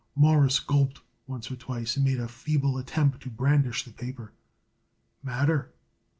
Morris gulped once or twice and made a feeble attempt to brandish the paper. "Matter?"